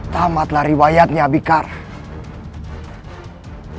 tamatlah riwayatnya abikara